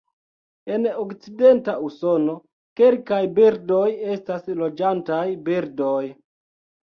En okcidenta Usono, kelkaj birdoj estas loĝantaj birdoj.